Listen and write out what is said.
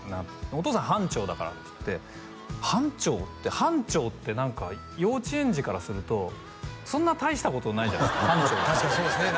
「お父さん班長だから」って言って「班長？」って班長って何か幼稚園児からするとそんな大したことないじゃないですか班長だから確かにそうですね